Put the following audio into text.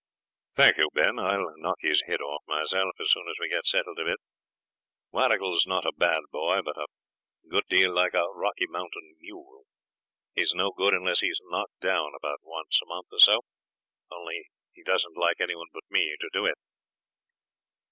'Thank you, Ben, I'll knock his head off myself as soon as we get settled a bit. Warrigal's not a bad boy, but a good deal like a Rocky Mountain mule; he's no good unless he's knocked down about once a month or so, only he doesn't like any one but me to do it.'